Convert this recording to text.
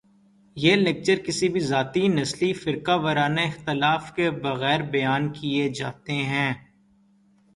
یہ لیکچرز کسی بھی ذاتی ، نسلی ، فرقہ ورانہ اختلاف کے بغیر بیان کیے جاتے ہیں